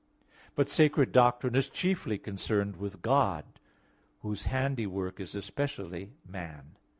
But sacred doctrine is chiefly concerned with God, whose handiwork is especially man.